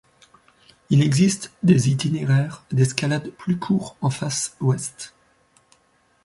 Il existe des itinéraires d'escalade plus courts en face ouest.